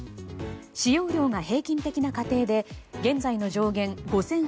使用量が平均的な家庭で現在の上限